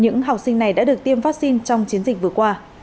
những học sinh này đã được tiêm vaccine trong chiến dịch vừa qua